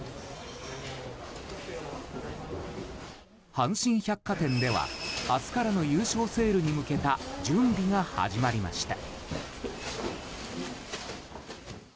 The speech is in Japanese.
阪神百貨店では明日からの優勝セールに向けた準備が始まりました。